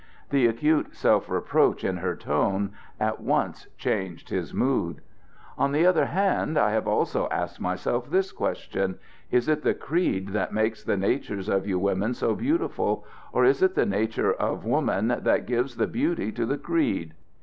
The acute self reproach in her tone at once changed his mood. "On the other hand, I have also asked myself this question: Is it the creed that makes the natures of you women so beautiful, or it is the nature of woman that gives the beauty to the creed?